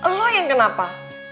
lo yang kenapa